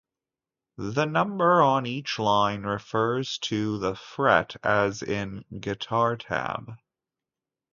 The number on each line refers to the fret as in guitar tab.